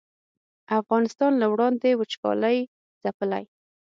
افغانستان له وړاندې وچکالۍ ځپلی